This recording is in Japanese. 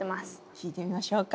聴いてみましょうか。